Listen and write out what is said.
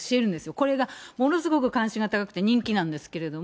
これがものすごく関心が高くて、人気なんですけれども。